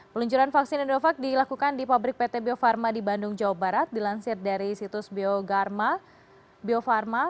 peluncuran vaksin indovac dilakukan di pabrik pt bio farma di bandung jawa barat dilansir dari situs bio farma